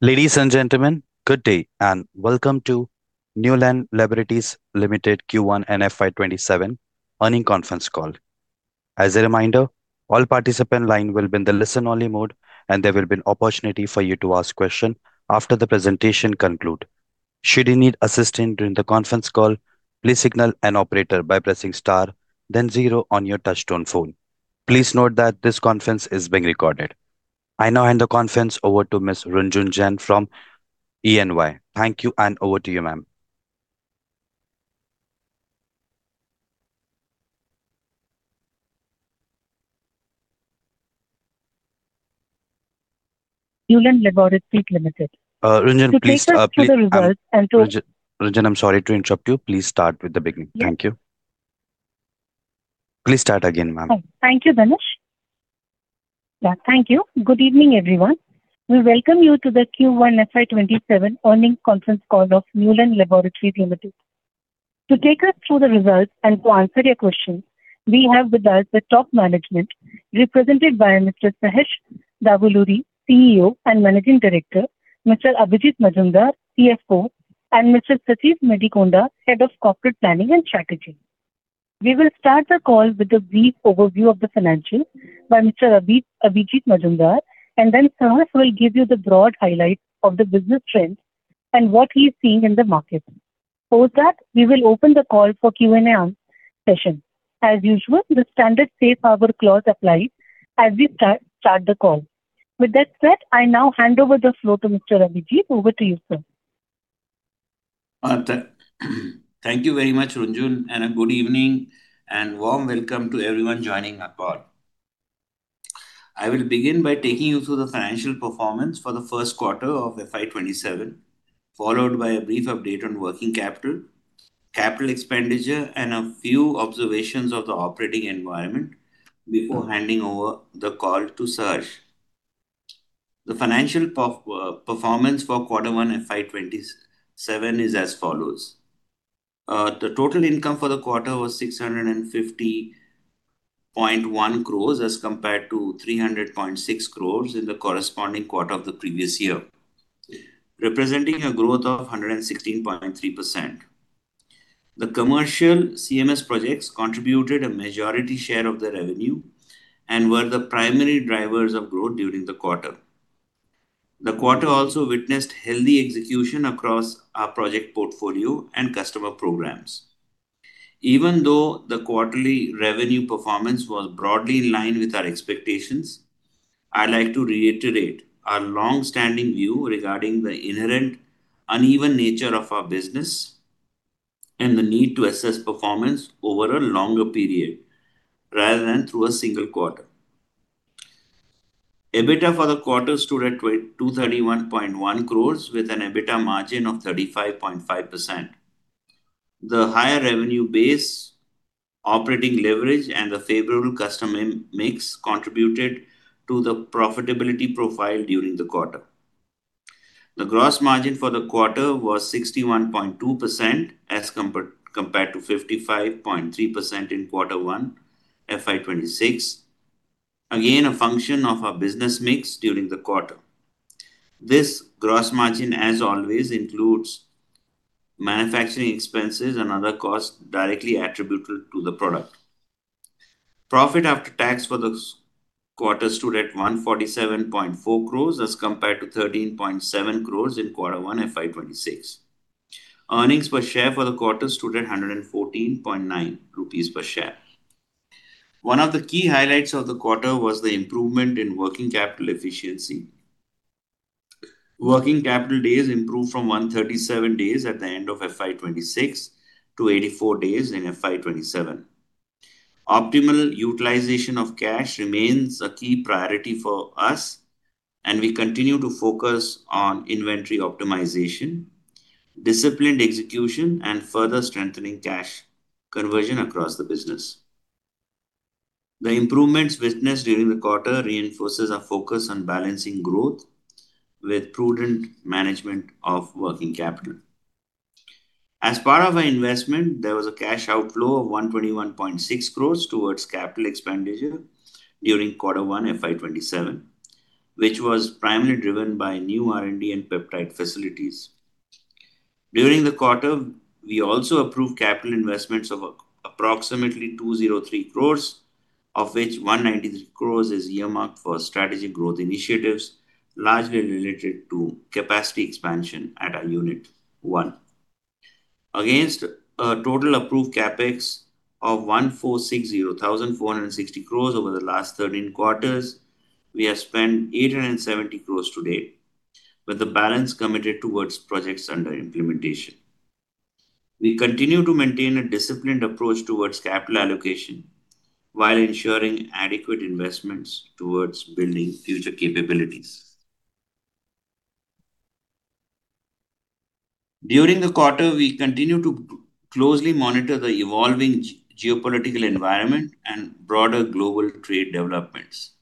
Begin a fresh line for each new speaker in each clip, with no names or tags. Ladies and gentlemen, good day and welcome to Neuland Laboratories Limited Q1 FY 2027 Earnings Conference Call. As a reminder, all participant line will be in the listen only mode, and there will be an opportunity for you to ask questions after the presentation conclude. Should you need assistance during the conference call, please signal an operator by pressing star then zero on your touch-tone phone. Please note that this conference is being recorded. I now hand the conference over to Ms. Runjhun Jain from EY. Thank you, and over to you, ma'am.
Neuland Laboratories Limited.
Runjhun, please-
To take us through the results and to-
Runjhun, I'm sorry to interrupt you. Please start with the beginning. Thank you. Please start again, ma'am.
Thank you, Dhanush. Yeah. Thank you. Good evening, everyone. We welcome you to the Q1 FY 2027 Earning Conference Call of Neuland Laboratories Limited. To take us through the results and to answer your questions, we have with us the top management, represented by Mr. Saharsh Davuluri, CEO and Managing Director, Mr. Abhijit Majumdar, CFO, and Mr. Sajeev Medikonda, Head of Corporate Planning and Strategy. We will start the call with a brief overview of the financials by Mr. Abhijit Majumdar, and then Saharsh will give you the broad highlights of the business trends and what he's seeing in the market. After that, we will open the call for Q&A session. As usual, the standard safe harbor clause applies as we start the call. With that said, I now hand over the floor to Mr. Abhijit. Over to you, sir.
Thank you very much, Runjhun, and good evening and warm welcome to everyone joining our call. I will begin by taking you through the financial performance for the first quarter of FY 2027, followed by a brief update on working capital expenditure, and a few observations of the operating environment before handing over the call to Saharsh. The financial performance for quarter one FY 2027 is as follows. The total income for the quarter was 650.1 crore as compared to 300.6 crore in the corresponding quarter of the previous year, representing a growth of 116.3%. The commercial CMS projects contributed a majority share of the revenue and were the primary drivers of growth during the quarter. The quarter also witnessed healthy execution across our project portfolio and customer programs. Even though the quarterly revenue performance was broadly in line with our expectations, I'd like to reiterate our longstanding view regarding the inherent uneven nature of our business and the need to assess performance over a longer period rather than through a single quarter. EBITDA for the quarter stood at 231.1 crore with an EBITDA margin of 35.5%. The higher revenue base operating leverage and the favorable customer mix contributed to the profitability profile during the quarter. The gross margin for the quarter was 61.2% as compared to 55.3% in quarter one FY 2026, again, a function of our business mix during the quarter. This gross margin, as always, includes manufacturing expenses and other costs directly attributable to the product. Profit after tax for the quarter stood at 147.4 crore as compared to 13.7 crore in quarter one FY 2026. Earnings per share for the quarter stood at 114.9 rupees per share. One of the key highlights of the quarter was the improvement in working capital efficiency. Working capital days improved from 137 days at the end of FY 2026 to 84 days in FY 2027. Optimal utilization of cash remains a key priority for us, and we continue to focus on inventory optimization, disciplined execution, and further strengthening cash conversion across the business. The improvements witnessed during the quarter reinforces our focus on balancing growth with prudent management of working capital. As part of our investment, there was a cash outflow of 121.6 crore towards capital expenditure during quarter one FY 2027, which was primarily driven by new R&D and peptide facilities. During the quarter, we also approved capital investments of approximately 203 crore, of which 193 crore is earmarked for strategic growth initiatives, largely related to capacity expansion at our Unit One. Against a total approved CapEx of 1,460 crore over the last 13 quarters, we have spent 870 crore to date, with the balance committed towards projects under implementation. We continue to maintain a disciplined approach towards capital allocation while ensuring adequate investments towards building future capabilities. During the quarter, we continued to closely monitor the evolving geopolitical environment and broader global trade developments.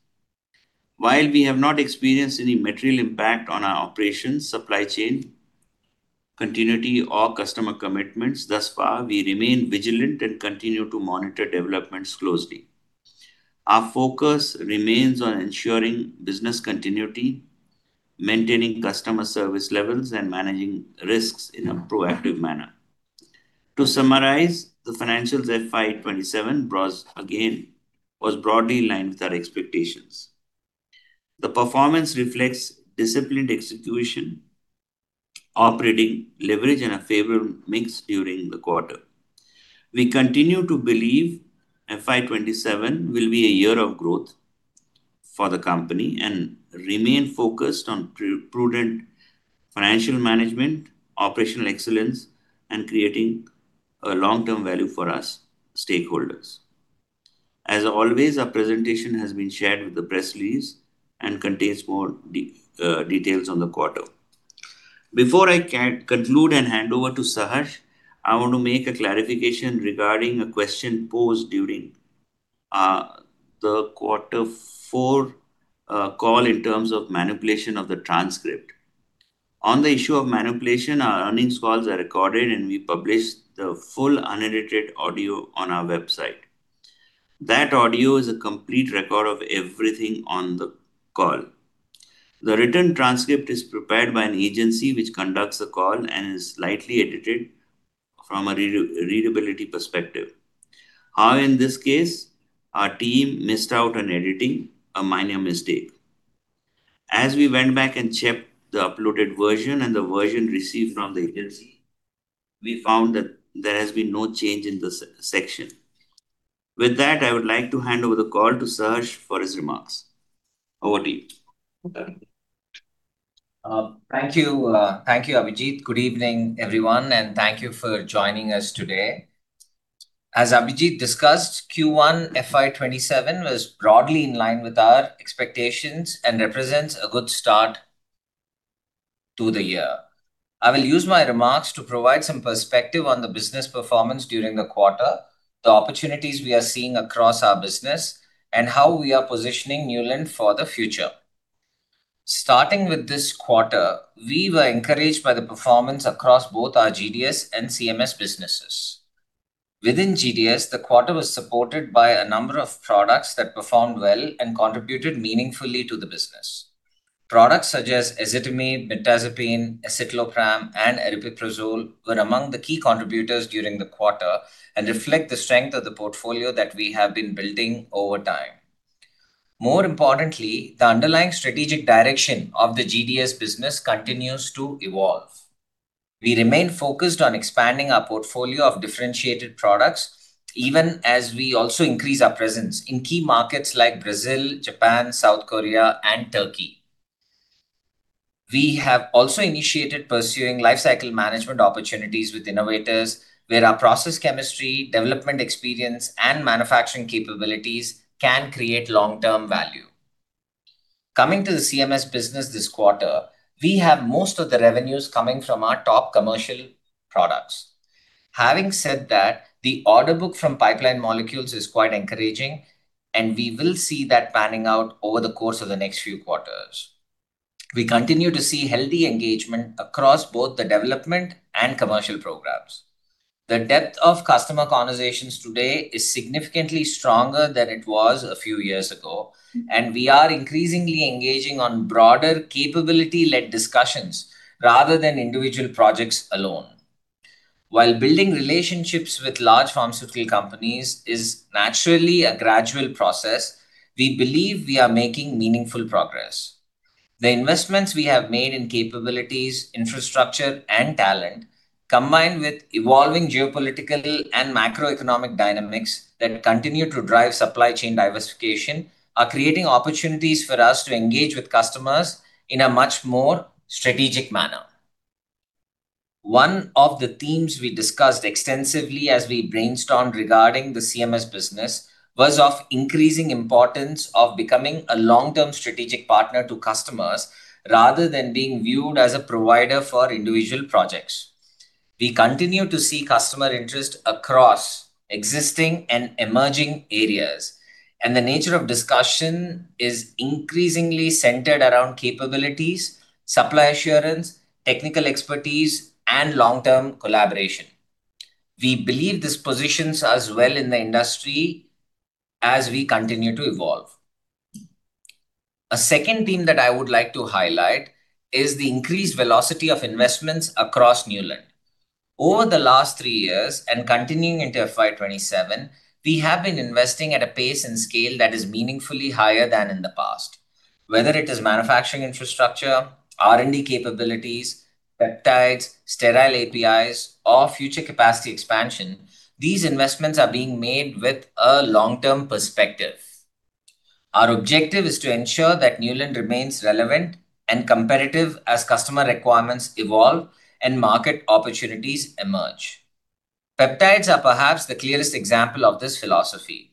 While we have not experienced any material impact on our operations, supply chain continuity of customer commitments thus far, we remain vigilant and continue to monitor developments closely. Our focus remains on ensuring business continuity, maintaining customer service levels, and managing risks in a proactive manner. To summarize, the financials at FY 2027 was broadly in line with our expectations. The performance reflects disciplined execution, operating leverage, and a favorable mix during the quarter. We continue to believe FY 2027 will be a year of growth for the company and remain focused on prudent financial management, operational excellence, and creating a long-term value for us stakeholders. As always, our presentation has been shared with the press release and contains more details on the quarter. Before I conclude and hand over to Saharsh, I want to make a clarification regarding a question posed during the quarter four call in terms of manipulation of the transcript. On the issue of manipulation, our earnings calls are recorded, and we publish the full unedited audio on our website. That audio is a complete record of everything on the call. The written transcript is prepared by an agency which conducts the call and is slightly edited from a readability perspective. In this case, our team missed out on editing a minor mistake. As we went back and checked the uploaded version and the version received from the agency, we found that there has been no change in this section. With that, I would like to hand over the call to Saharsh for his remarks. Over to you.
Thank you, Abhijit. Good evening, everyone, and thank you for joining us today. As Abhijit discussed, Q1 FY 2027 was broadly in line with our expectations and represents a good start to the year. I will use my remarks to provide some perspective on the business performance during the quarter, the opportunities we are seeing across our business, and how we are positioning Neuland for the future. Starting with this quarter, we were encouraged by the performance across both our GDS and CMS businesses. Within GDS, the quarter was supported by a number of products that performed well and contributed meaningfully to the business. Products such as eszopiclone, mirtazapine, escitalopram, and lansoprazole were among the key contributors during the quarter and reflect the strength of the portfolio that we have been building over time. More importantly, the underlying strategic direction of the GDS business continues to evolve. We remain focused on expanding our portfolio of differentiated products, even as we also increase our presence in key markets like Brazil, Japan, South Korea, and Turkey. We have also initiated pursuing lifecycle management opportunities with innovators, where our process chemistry, development experience, and manufacturing capabilities can create long-term value. Coming to the CMS business this quarter, we have most of the revenues coming from our top commercial products. Having said that, the order book from pipeline molecules is quite encouraging, and we will see that panning out over the course of the next few quarters. We continue to see healthy engagement across both the development and commercial programs. The depth of customer conversations today is significantly stronger than it was a few years ago, and we are increasingly engaging on broader capability-led discussions rather than individual projects alone. While building relationships with large pharmaceutical companies is naturally a gradual process, we believe we are making meaningful progress. The investments we have made in capabilities, infrastructure, and talent, combined with evolving geopolitically and macroeconomic dynamics that continue to drive supply chain diversification, are creating opportunities for us to engage with customers in a much more strategic manner. One of the themes we discussed extensively as we brainstormed regarding the CMS business was of increasing importance of becoming a long-term strategic partner to customers rather than being viewed as a provider for individual projects. We continue to see customer interest across existing and emerging areas, and the nature of discussion is increasingly centered around capabilities, supply assurance, technical expertise, and long-term collaboration. We believe this positions us well in the industry as we continue to evolve. A second theme that I would like to highlight is the increased velocity of investments across Neuland. Over the last three years and continuing into FY 2027, we have been investing at a pace and scale that is meaningfully higher than in the past. Whether it is manufacturing infrastructure, R&D capabilities, peptides, sterile APIs, or future capacity expansion, these investments are being made with a long-term perspective. Our objective is to ensure that Neuland remains relevant and competitive as customer requirements evolve and market opportunities emerge. Peptides are perhaps the clearest example of this philosophy.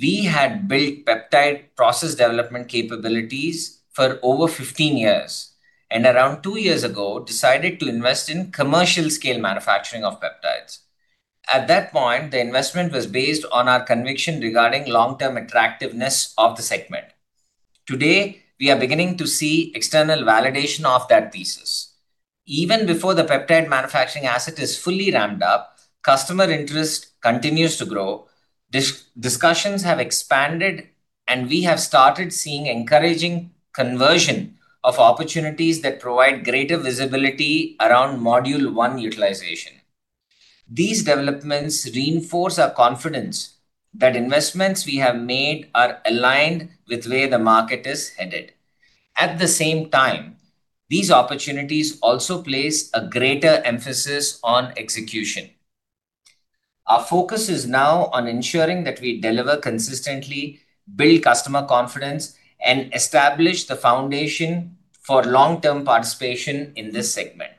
We had built Peptide Process Development capabilities for over 15 years, and around two years ago, decided to invest in commercial-scale manufacturing of peptides. At that point, the investment was based on our conviction regarding long-term attractiveness of the segment. Today, we are beginning to see external validation of that thesis. Even before the peptide manufacturing asset is fully ramped up, customer interest continues to grow. Discussions have expanded, and we have started seeing encouraging conversion of opportunities that provide greater visibility around module one utilization. These developments reinforce our confidence that investments we have made are aligned with where the market is headed. At the same time, these opportunities also place a greater emphasis on execution. Our focus is now on ensuring that we deliver consistently, build customer confidence, and establish the foundation for long-term participation in this segment.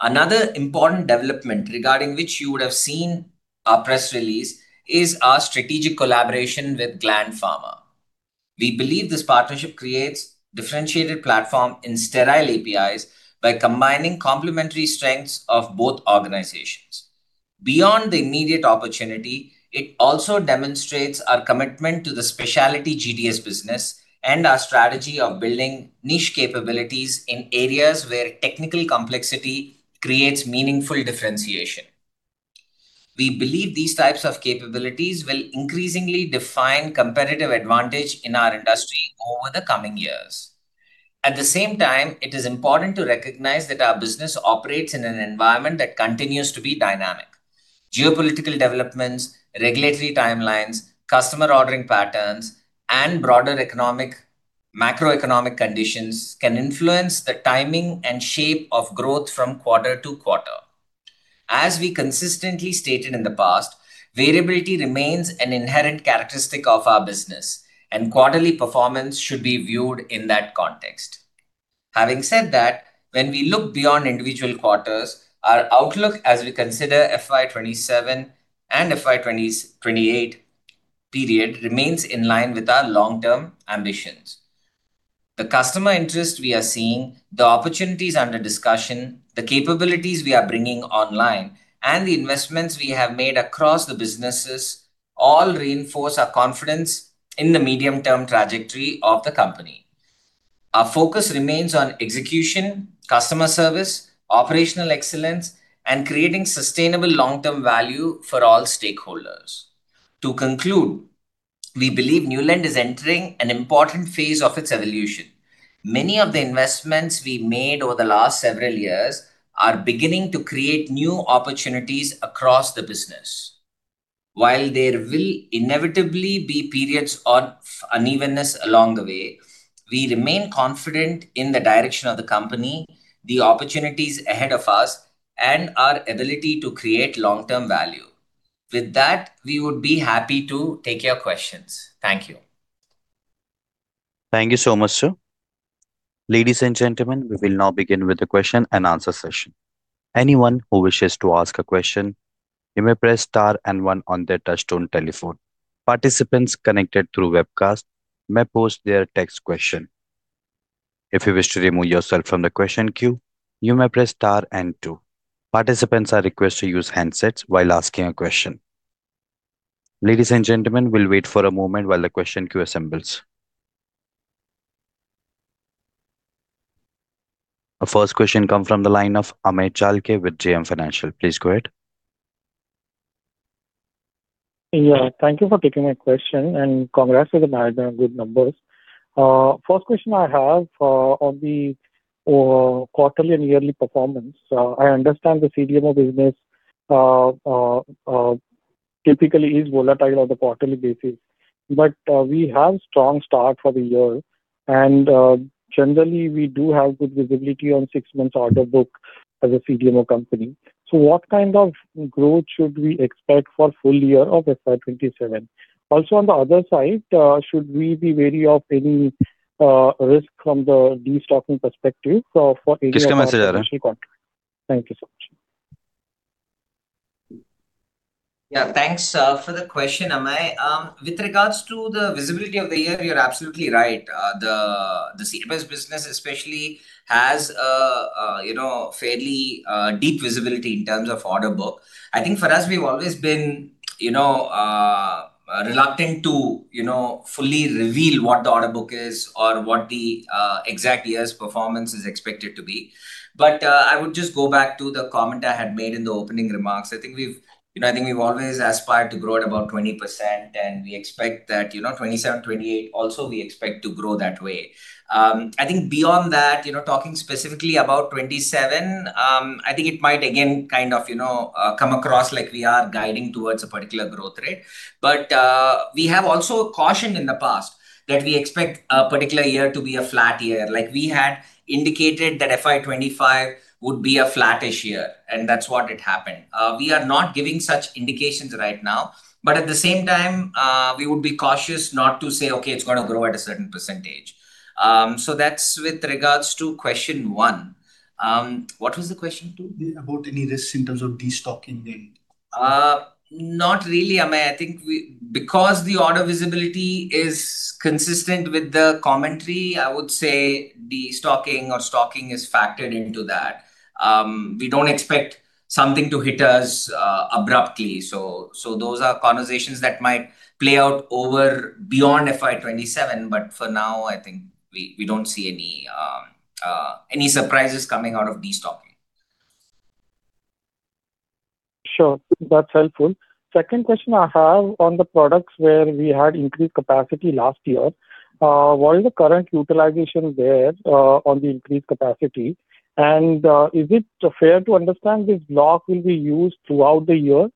Another important development regarding which you would have seen our press release is our strategic collaboration with Gland Pharma. We believe this partnership creates differentiated platform in sterile APIs by combining complementary strengths of both organizations. Beyond the immediate opportunity, it also demonstrates our commitment to the specialty GDS business and our strategy of building niche capabilities in areas where technical complexity creates meaningful differentiation. We believe these types of capabilities will increasingly define competitive advantage in our industry over the coming years. At the same time, it is important to recognize that our business operates in an environment that continues to be dynamic. Geopolitical developments, regulatory timelines, customer ordering patterns, and broader macroeconomic conditions can influence the timing and shape of growth from quarter to quarter. As we consistently stated in the past, variability remains an inherent characteristic of our business, and quarterly performance should be viewed in that context. Having said that, when we look beyond individual quarters, our outlook as we consider FY 2027 and FY 2028 period remains in line with our long-term ambitions. The customer interest we are seeing, the opportunities under discussion, the capabilities we are bringing online, and the investments we have made across the businesses all reinforce our confidence in the medium-term trajectory of the company. Our focus remains on execution, customer service, operational excellence, and creating sustainable long-term value for all stakeholders. To conclude, we believe Neuland is entering an important phase of its evolution. Many of the investments we made over the last several years are beginning to create new opportunities across the business. While there will inevitably be periods of unevenness along the way, we remain confident in the direction of the company, the opportunities ahead of us, and our ability to create long-term value. With that, we would be happy to take your questions. Thank you.
Thank you so much, sir. Ladies and gentlemen, we will now begin with the question and answer session. Anyone who wishes to ask a question, you may press star and one on their touchtone telephone. Participants connected through webcast may pose their text question. If you wish to remove yourself from the question queue, you may press star and two. Participants are requested to use handsets while asking a question. Ladies and gentlemen, we'll wait for a moment while the question queue assembles. Our first question come from the line of Amey Chalke with JM Financial. Please go ahead.
Thank you for taking my question, and congrats on the good numbers. First question I have on the quarterly and yearly performance. I understand the CDMO business typically is volatile on a quarterly basis, but we have strong start for the year, and generally, we do have good visibility on six months order book as a CDMO company. What kind of growth should we expect for full year of FY 2027? Also, on the other side, should we be wary of any risk from the destocking perspective for Asia- Thank you so much.
Yeah, thanks for the question, Amey. With regards to the visibility of the year, you're absolutely right. The CDMO business especially has a fairly deep visibility in terms of order book. I think for us, we've always been reluctant to fully reveal what the order book is or what the exact year's performance is expected to be. I would just go back to the comment I had made in the opening remarks. I think we've always aspired to grow at about 20%, and we expect that 2027, 2028 also we expect to grow that way. I think beyond that, talking specifically about 2027, I think it might again kind of come across like we are guiding towards a particular growth rate. We have also cautioned in the past that we expect a particular year to be a flat year. Like we had indicated that FY 2025 would be a flattish year, and that's what had happened. We are not giving such indications right now, but at the same time, we would be cautious not to say, "Okay, it's going to grow at a certain percentage." That's with regards to question one. What was the question two?
About any risks in terms of destocking then.
Not really, Amey. I think because the order visibility is consistent with the commentary, I would say destocking or stocking is factored into that. We don't expect something to hit us abruptly. Those are conversations that might play out over beyond FY 2027, but for now, I think we don't see any surprises coming out of destocking.
Sure, that's helpful. Second question I have on the products where we had increased capacity last year. What is the current utilization there on the increased capacity, and is it fair to understand this block will be used throughout the year?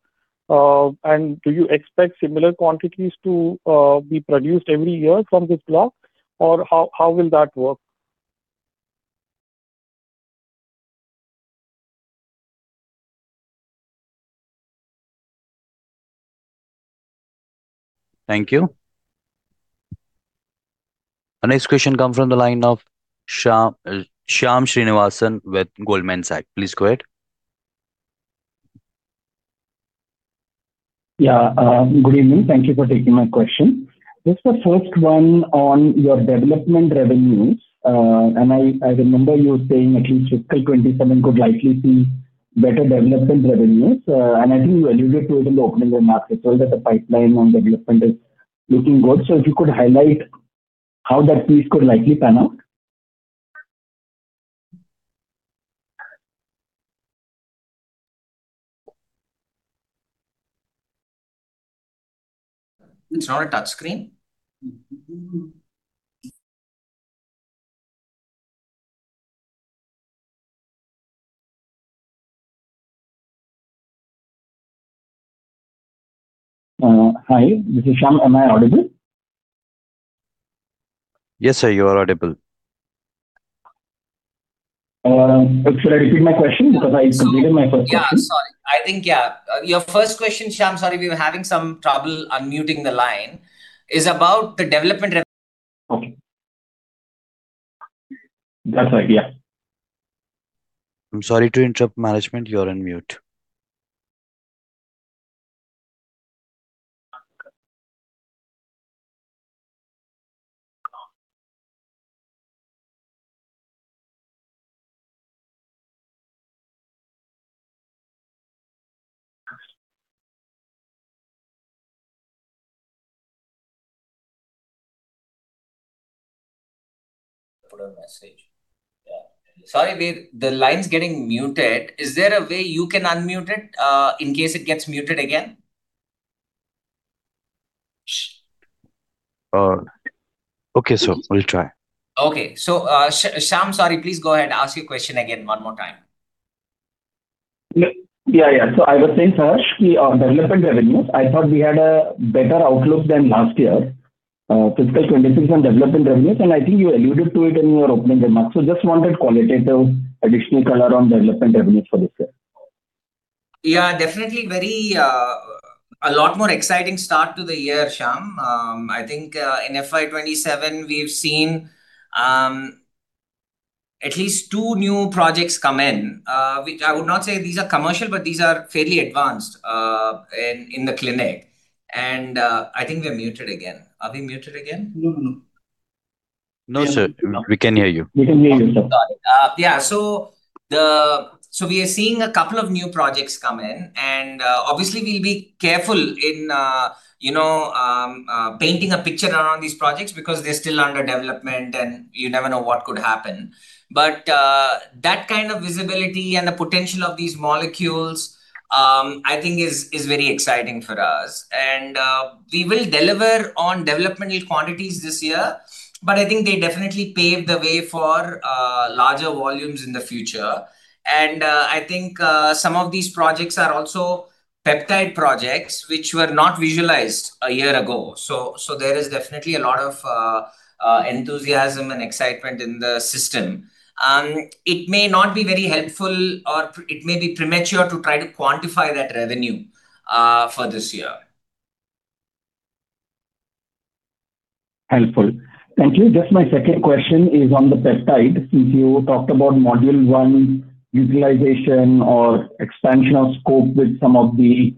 Do you expect similar quantities to be produced every year from this block, or how will that work?
Thank you. Our next question comes from the line of Shyam Srinivasan with Goldman Sachs. Please go ahead.
Yeah. Good evening. Thank you for taking my question. Just the first one on your development revenues. I remember you saying at least fiscal 2027 could likely see better development revenues. I think you alluded to it in the opening remarks as well, that the pipeline on development is looking good. If you could highlight how that piece could likely pan out.
It's not a touch screen.
Hi, this is Shyam. Am I audible?
Yes, sir, you are audible.
Should I repeat my question because I completed my first question.
Yeah, sorry. I think. Your first question, Shyam, sorry, we were having some trouble unmuting the line, is about the development.
Okay. That's right.
I'm sorry to interrupt, Management. You're on mute.
Put a message. Sorry, Vir. The line's getting muted. Is there a way you can unmute it, in case it gets muted again?
Okay, sir. We'll try.
Okay. Shyam, sorry, please go ahead and ask your question again one more time.
Yeah. I was saying, Saharsh, development revenues, I thought we had a better outlook than last year, fiscal 2026 on development revenues, and I think you alluded to it in your opening remarks. Just wanted qualitative additional color on development revenues for this year.
Yeah, definitely a lot more exciting start to the year, Shyam. I think, in FY 2027, we've seen at least two new projects come in, which I would not say these are commercial, but these are fairly advanced in the clinic. I think we are muted again. Are we muted again?
No.
No, sir. We can hear you.
We can hear you, sir.
Got it. Yeah, we are seeing a couple of new projects come in, obviously we'll be careful in painting a picture around these projects because they're still under development, you never know what could happen. That kind of visibility and the potential of these molecules, I think is very exciting for us. We will deliver on developmental quantities this year, but I think they definitely pave the way for larger volumes in the future. I think some of these projects are also peptide projects, which were not visualized a year ago. There is definitely a lot of enthusiasm and excitement in the system. It may not be very helpful or it may be premature to try to quantify that revenue for this year.
Helpful. Thank you. Just my second question is on the peptide. Since you talked about module 1 utilization or expansion of scope with some of the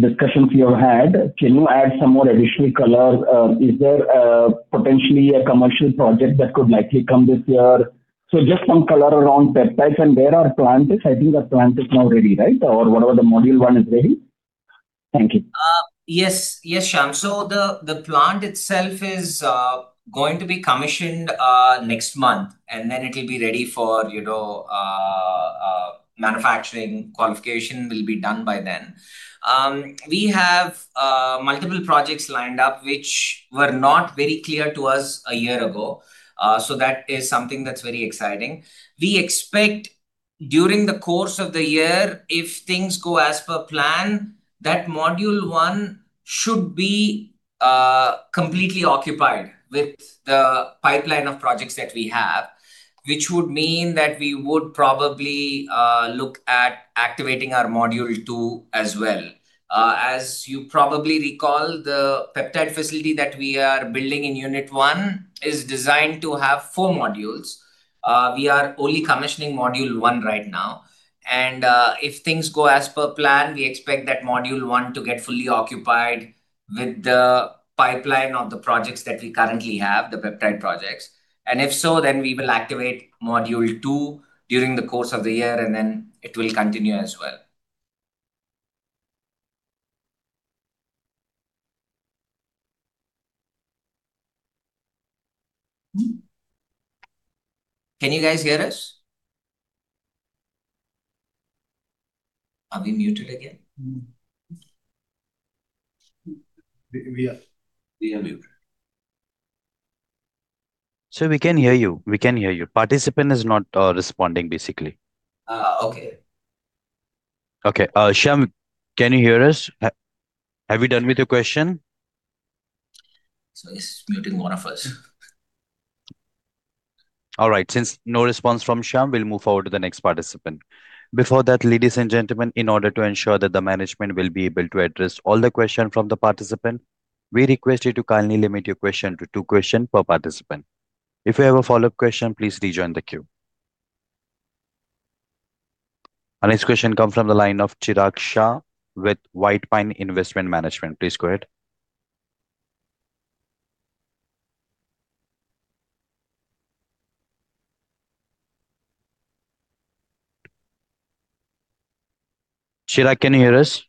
discussions you have had, can you add some more additional color? Is there potentially a commercial project that could likely come this year? Just some color around peptides and where our plant is. I think our plant is now ready, right? Or whatever the module 1 is ready? Thank you.
Yes, Shyam. The plant itself is going to be commissioned next month, then it'll be ready for manufacturing qualification will be done by then. We have multiple projects lined up which were not very clear to us a year ago. That is something that's very exciting. We expect during the course of the year, if things go as per plan, that module one should be completely occupied with the pipeline of projects that we have, which would mean that we would probably look at activating our module two as well. As you probably recall, the peptide facility that we are building in unit one is designed to have four modules. We are only commissioning module one right now, if things go as per plan, we expect that module one to get fully occupied with the pipeline of the projects that we currently have, the peptide projects. If so, we will activate module 2 during the course of the year, it will continue as well. Can you guys hear us? Are we muted again?
We are.
We are muted.
Sir, we can hear you. Participant is not responding, basically.
Okay.
Shyam, can you hear us? Have you done with your question?
He's muting one of us.
Since no response from Shyam, we'll move forward to the next participant. Before that, ladies and gentlemen, in order to ensure that the management will be able to address all the question from the participant, we request you to kindly limit your question to two question per participant. If you have a follow-up question, please rejoin the queue. Our next question comes from the line of Chirag Shah with White Pine Investment Management. Please go ahead. Chirag, can you hear us?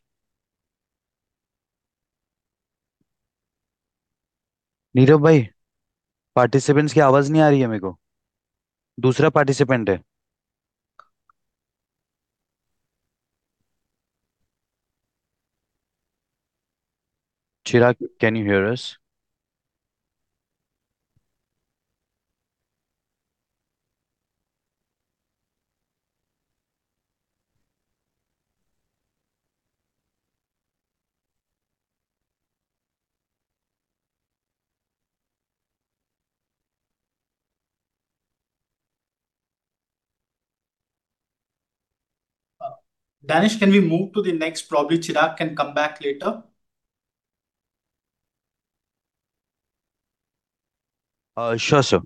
[inaudible] participant's voice is not coming to me. It is the other participant. Chirag, can you hear us?
Danush, can we move to the next? Probably Chirag can come back later.
Sure, sir.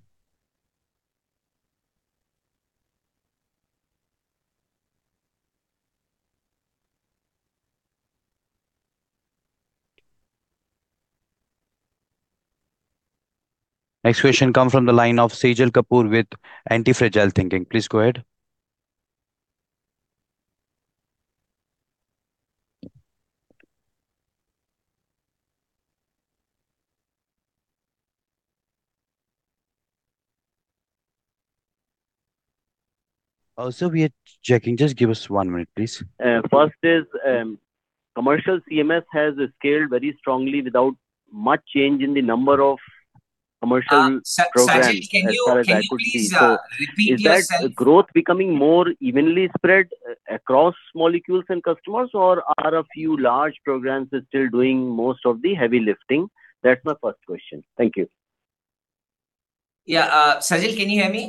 Next question come from the line of Sajal Kapoor with Antifragile Thinking. Please go ahead. Also, we are checking. Just give us one minute, please.
First is, commercial CMS has scaled very strongly without much change in the number of commercial programs-
Sajal, can you please repeat yourself?
as far as equity. Is that growth becoming more evenly spread across molecules and customers, or are a few large programs still doing most of the heavy lifting? That's my first question. Thank you.
Yeah. Sajal, can you hear me?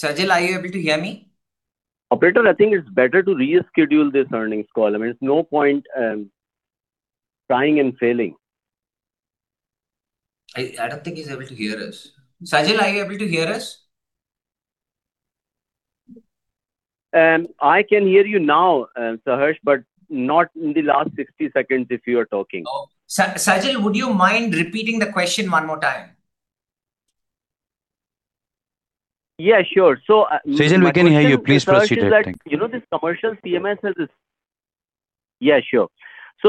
Sajal, are you able to hear me?
Operator, I think it's better to reschedule this earnings call. I mean, it's no point trying and failing.
I don't think he's able to hear us. Sajal, are you able to hear us?
I can hear you now, Saharsh, but not in the last 60 seconds if you are talking.
Oh. Sajal, would you mind repeating the question one more time?
Yeah, sure.
Sajal, we can hear you. Please proceed ahead. Thank you.
Yeah, sure.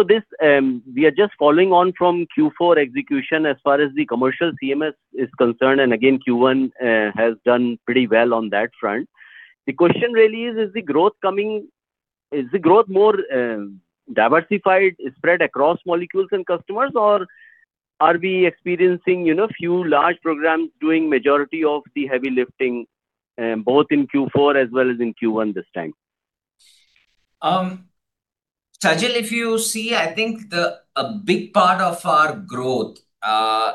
We are just following on from Q4 execution as far as the commercial CMS is concerned, and again, Q1 has done pretty well on that front. The question really is the growth more diversified, spread across molecules and customers, or are we experiencing few large programs doing majority of the heavy lifting, both in Q4 as well as in Q1 this time?
Sajal, if you see, I think a big part of our growth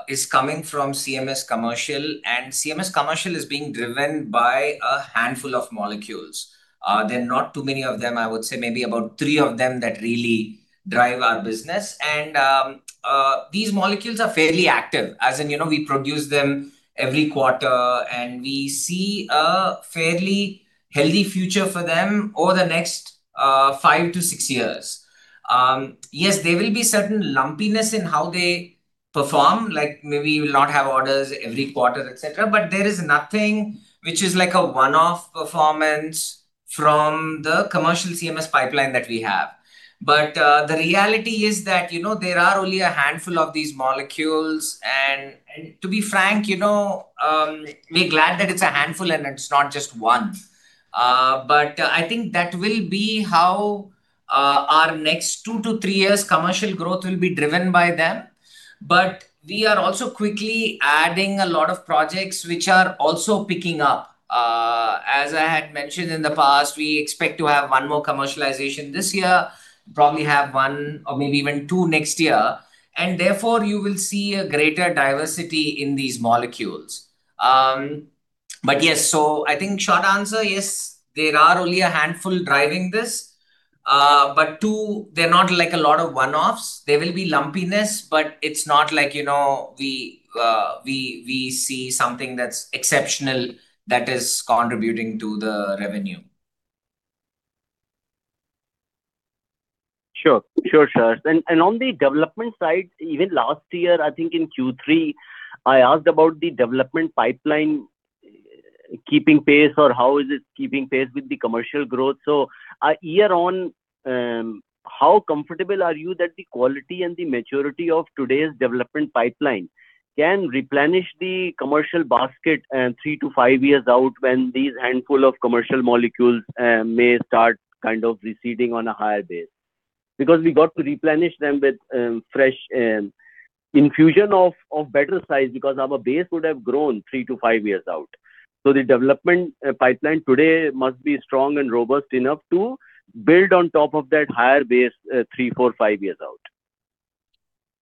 is coming from CMS commercial, and CMS commercial is being driven by a handful of molecules. They're not too many of them, I would say maybe about three of them that really drive our business. These molecules are fairly active, as in, we produce them every quarter, and we see a fairly healthy future for them over the next five to six years. Yes, there will be certain lumpiness in how they perform, like maybe we'll not have orders every quarter, et cetera. There is nothing which is like a one-off performance from the commercial CMS pipeline that we have. The reality is that there are only a handful of these molecules, and to be frank, be glad that it's a handful and it's not just one. I think that will be how our next two to three years' commercial growth will be driven by them. We are also quickly adding a lot of projects which are also picking up. As I had mentioned in the past, we expect to have one more commercialization this year, probably have one or maybe even two next year, and therefore you will see a greater diversity in these molecules. Yes, I think short answer, yes, there are only a handful driving this. Two, they're not a lot of one-offs. There will be lumpiness, but it's not like we see something that's exceptional that is contributing to the revenue.
Sure. On the development side, even last year, I think in Q3, I asked about the development pipeline keeping pace or how is it keeping pace with the commercial growth. A year on, how comfortable are you that the quality and the maturity of today's development pipeline can replenish the commercial basket three to five years out when these handful of commercial molecules may start kind of receding on a higher base? Because we got to replenish them with fresh infusion of better size because our base would have grown three to five years out. The development pipeline today must be strong and robust enough to build on top of that higher base three, four, five years out.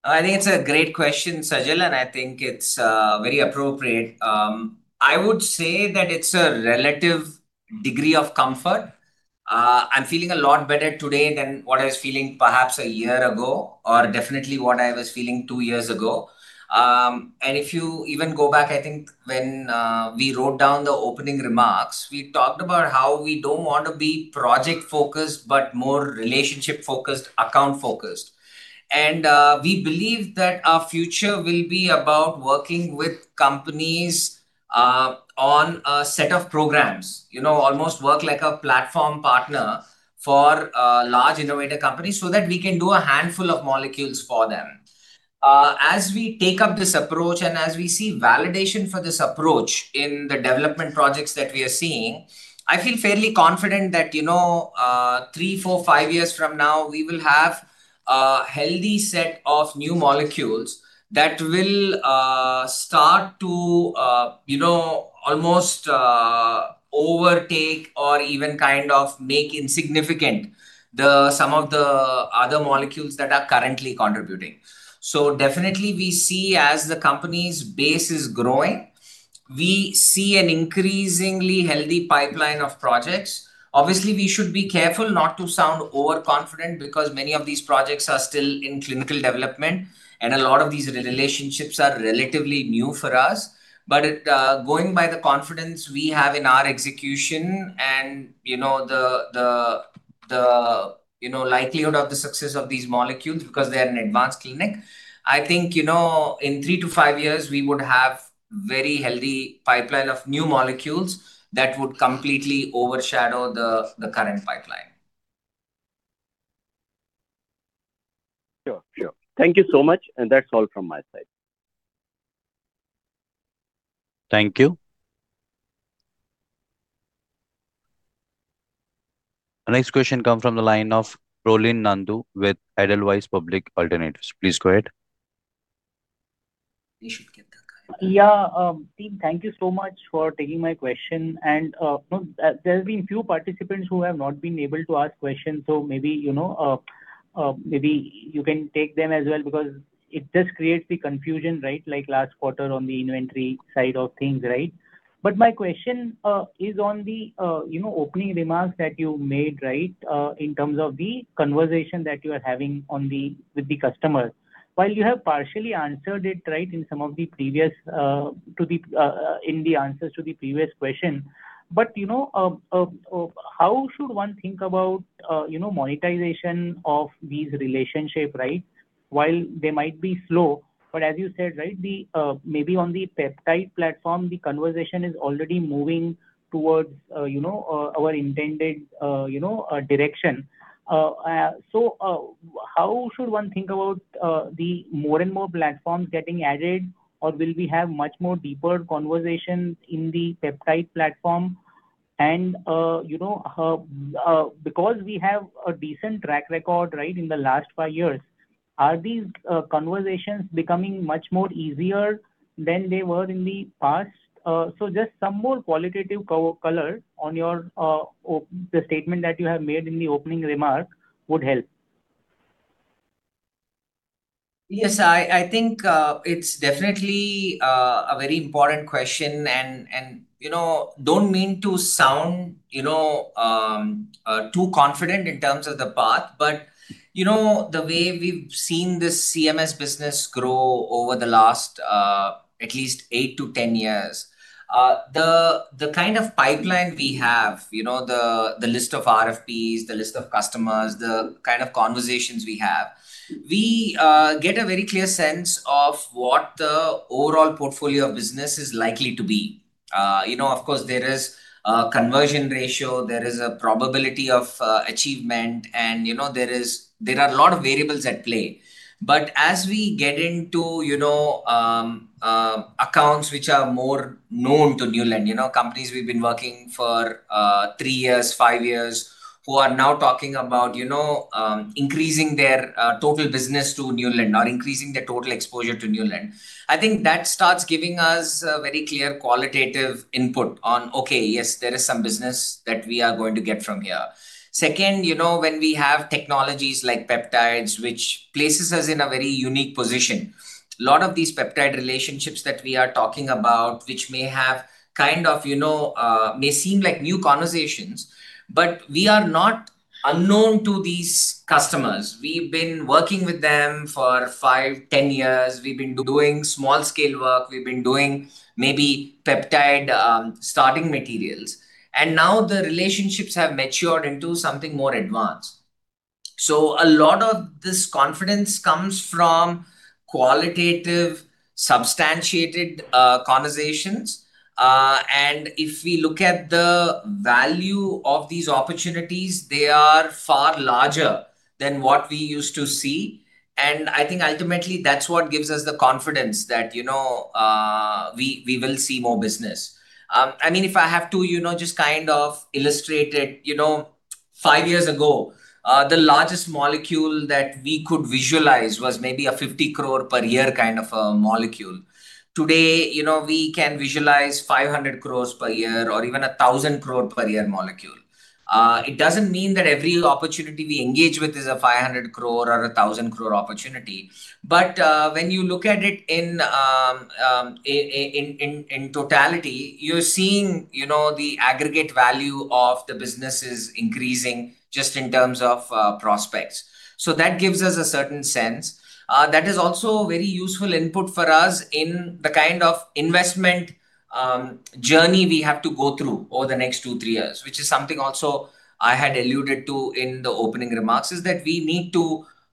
I think it's a great question, Sajal, I think it's very appropriate. I would say that it's a relative degree of comfort. I'm feeling a lot better today than what I was feeling perhaps a year ago, or definitely what I was feeling two years ago. If you even go back, I think when we wrote down the opening remarks, we talked about how we don't want to be project-focused, but more relationship-focused, account-focused. We believe that our future will be about working with companies on a set of programs. Almost work like a platform partner for large innovative companies so that we can do a handful of molecules for them. As we take up this approach and as we see validation for this approach in the development projects that we are seeing, I feel fairly confident that three, four, five years from now, we will have a healthy set of new molecules that will start to almost overtake or even kind of make insignificant some of the other molecules that are currently contributing. Definitely we see as the company's base is growing, we see an increasingly healthy pipeline of projects. Obviously, we should be careful not to sound overconfident because many of these projects are still in clinical development, a lot of these relationships are relatively new for us. Going by the confidence we have in our execution and the likelihood of the success of these molecules because they are an advanced clinic, I think, in three to five years, we would have very healthy pipeline of new molecules that would completely overshadow the current pipeline.
Sure. Thank you so much, that's all from my side.
Thank you. Our next question comes from the line of Prolin Nandu with Edelweiss Public Alternatives. Please go ahead.
You should get that.
Yeah. Team, thank you so much for taking my question. There's been few participants who have not been able to ask questions, so maybe you can take them as well because it just creates the confusion, right? Like last quarter on the inventory side of things, right? My question is on the opening remarks that you made, right? In terms of the conversation that you are having with the customers. While you have partially answered it, right, in the answers to the previous question. How should one think about monetization of these relationship, right? While they might be slow, but as you said, right, maybe on the peptide platform, the conversation is already moving towards our intended direction. How should one think about the more and more platforms getting added, or will we have much more deeper conversations in the peptide platform? Because we have a decent track record, right, in the last five years, are these conversations becoming much more easier than they were in the past? Just some more qualitative color on the statement that you have made in the opening remark would help.
Yes, I think it's definitely a very important question. Don't mean to sound too confident in terms of the path, the way we've seen this CMS business grow over the last at least eight to 10 years. The kind of pipeline we have, the list of RFPs, the list of customers, the kind of conversations we have. We get a very clear sense of what the overall portfolio of business is likely to be. Of course, there is a conversion ratio, there is a probability of achievement, and there are a lot of variables at play. As we get into accounts which are more known to Neuland. Companies we've been working for three years, five years, who are now talking about increasing their total business to Neuland or increasing their total exposure to Neuland. I think that starts giving us a very clear qualitative input on, okay, yes, there is some business that we are going to get from here. Second, when we have technologies like peptides, which places us in a very unique position. Lot of these peptide relationships that we are talking about, which may seem like new conversations, but we are not unknown to these customers. We've been working with them for five, 10 years. We've been doing small-scale work. We've been doing maybe peptide starting materials. Now the relationships have matured into something more advanced. A lot of this confidence comes from qualitative, substantiated conversations. If we look at the value of these opportunities, they are far larger than what we used to see. I think ultimately, that's what gives us the confidence that we will see more business. If I have to just kind of illustrate it, five years ago, the largest molecule that we could visualize was maybe a 50 crore per year kind of a molecule. Today, we can visualize 500 crore per year or even 1,000 crore per year molecule. It doesn't mean that every opportunity we engage with is a 500 crore or 1,000 crore opportunity. When you look at it in totality, you're seeing the aggregate value of the business is increasing just in terms of prospects. That gives us a certain sense. That is also very useful input for us in the kind of investment journey we have to go through over the next two, three years, which is something also I had alluded to in the opening remarks, is that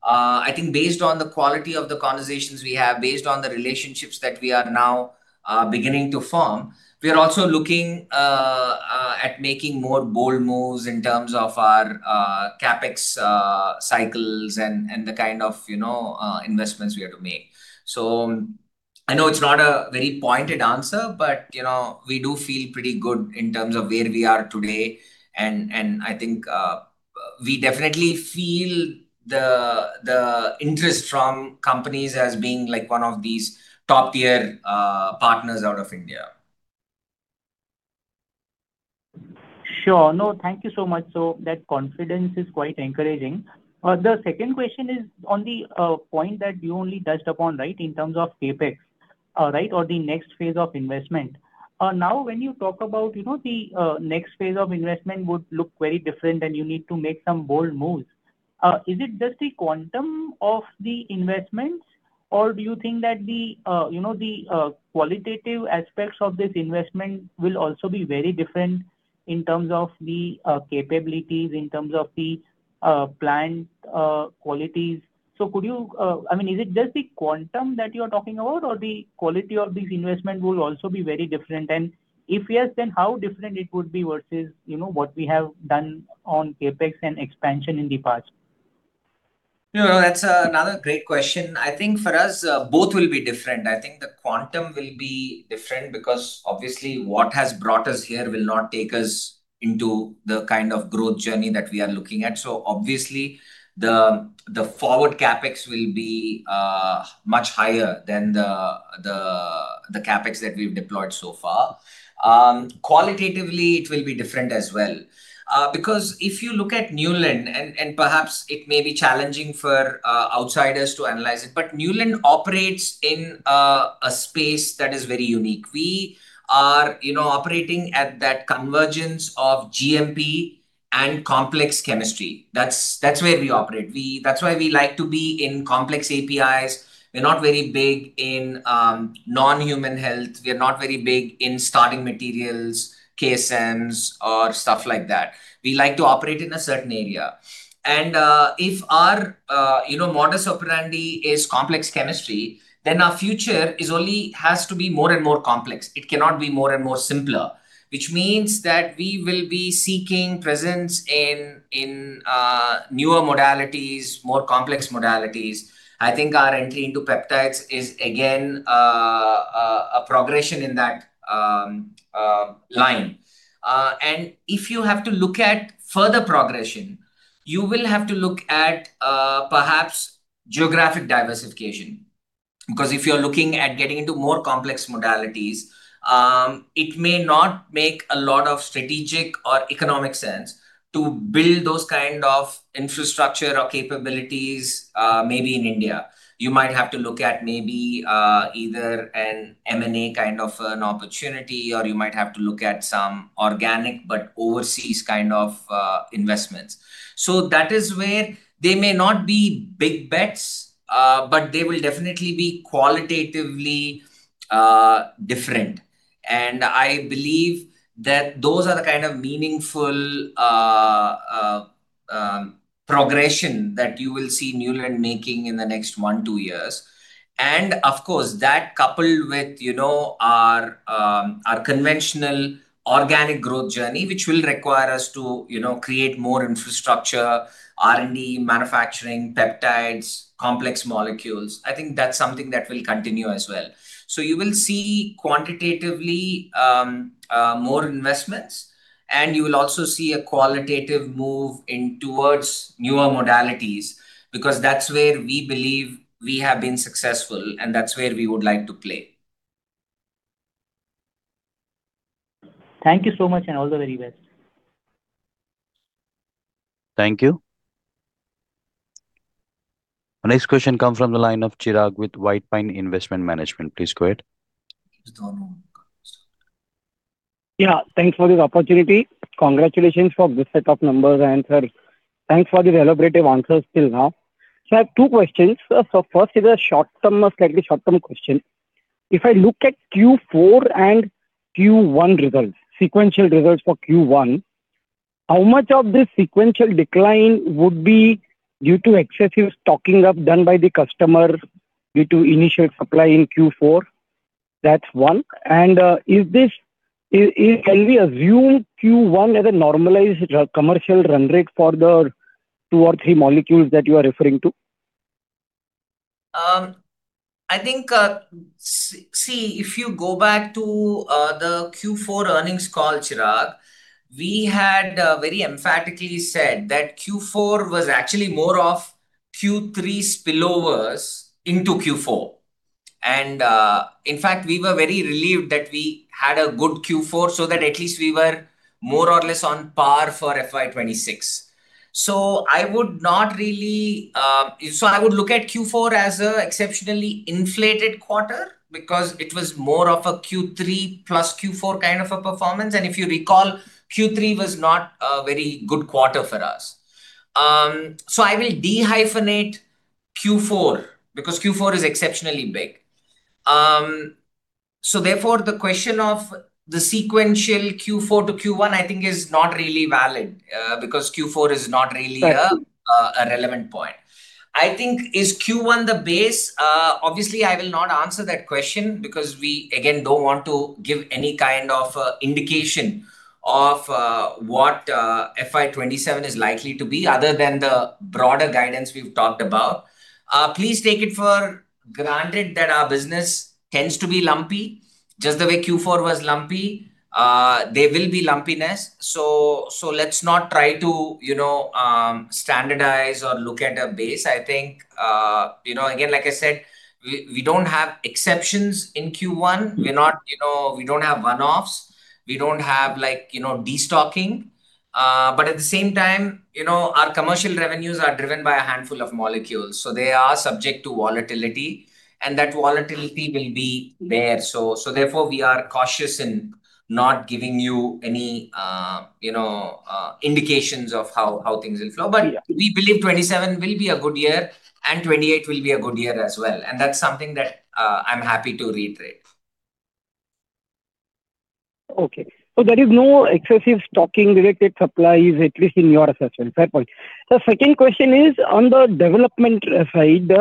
I think based on the quality of the conversations we have, based on the relationships that we are now beginning to form, we are also looking at making more bold moves in terms of our CapEx cycles and the kind of investments we have to make. I know it's not a very pointed answer, but we do feel pretty good in terms of where we are today. I think we definitely feel the interest from companies as being one of these top-tier partners out of India.
Sure. Thank you so much. That confidence is quite encouraging. The second question is on the point that you only touched upon, right, in terms of CapEx or the next phase of investment. When you talk about the next phase of investment would look very different and you need to make some bold moves. Is it just the quantum of the investments or do you think that the qualitative aspects of this investment will also be very different in terms of the capabilities, in terms of the plant qualities? Is it just the quantum that you're talking about or the quality of this investment will also be very different and if yes, then how different it would be versus what we have done on CapEx and expansion in the past?
No, that's another great question. I think for us both will be different. I think the quantum will be different because obviously what has brought us here will not take us into the kind of growth journey that we are looking at. Obviously the forward CapEx will be much higher than the CapEx that we've deployed so far. Qualitatively, it will be different as well. If you look at Neuland, and perhaps it may be challenging for outsiders to analyze it, but Neuland operates in a space that is very unique. We are operating at that convergence of GMP and complex chemistry. That's where we operate. That's why we like to be in complex APIs. We're not very big in non-human health. We're not very big in starting materials, KSMs or stuff like that. We like to operate in a certain area. If our modus operandi is complex chemistry, our future only has to be more and more complex. It cannot be more and more simpler, which means that we will be seeking presence in newer modalities, more complex modalities. I think our entry into peptides is again a progression in that line. If you have to look at further progression, you will have to look at perhaps geographic diversification. If you're looking at getting into more complex modalities, it may not make a lot of strategic or economic sense to build those kind of infrastructure or capabilities maybe in India. You might have to look at maybe either an M&A kind of an opportunity, or you might have to look at some organic but overseas kind of investments. That is where they may not be big bets, but they will definitely be qualitatively different. I believe that those are the kind of meaningful progression that you will see Neuland making in the next one, two years. Of course, that coupled with our conventional organic growth journey, which will require us to create more infrastructure, R&D, manufacturing, peptides, complex molecules. I think that's something that will continue as well. You will see quantitatively more investments, and you will also see a qualitative move towards newer modalities because that's where we believe we have been successful and that's where we would like to play.
Thank you so much and all the very best.
Thank you. Our next question comes from the line of Chirag with White Pine Investment Management. Please go ahead.
Yeah. Thanks for this opportunity. Congratulations for this set of numbers and thanks for these elaborative answers till now. I have two questions. First is a slightly short-term question If I look at Q4 and Q1 results, sequential results for Q1, how much of this sequential decline would be due to excessive stocking up done by the customer due to initial supply in Q4? That's one. Can we assume Q1 as a normalized commercial run rate for the two or three molecules that you are referring to?
I think, see, if you go back to the Q4 earnings call, Chirag, we had very emphatically said that Q4 was actually more of Q3 spillovers into Q4. In fact, we were very relieved that we had a good Q4 so that at least we were more or less on par for FY 2026. I would look at Q4 as an exceptionally inflated quarter because it was more of a Q3 plus Q4 kind of a performance. If you recall, Q3 was not a very good quarter for us. I will de-hyphenate Q4 because Q4 is exceptionally big. The question of the sequential Q4 to Q1, I think, is not really valid, because Q4 is not really-.
Right
A relevant point. I think, is Q1 the base? I will not answer that question because we, again, don't want to give any kind of indication of what FY 2027 is likely to be other than the broader guidance we've talked about. Please take it for granted that our business tends to be lumpy, just the way Q4 was lumpy. There will be lumpiness, let's not try to standardize or look at a base. I think, again, like I said, we don't have exceptions in Q1. We don't have one-offs. We don't have de-stocking. At the same time, our commercial revenues are driven by a handful of molecules, they are subject to volatility, and that volatility will be there. Therefore, we are cautious in not giving you any indications of how things will flow.
Yeah.
We believe 2027 will be a good year, and 2028 will be a good year as well, and that's something that I'm happy to reiterate.
Okay. There is no excessive stocking-related supplies, at least in your assessment. Fair point. The second question is on the development side.